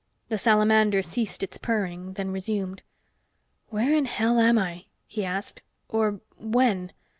The salamander ceased its purring, then resumed. "Where in hell am I?" he asked. "Or when?"